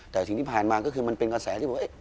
แต่เฉยที่ผ่านมาคือมันเป็นกระแส